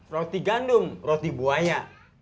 roti gandum roti buaya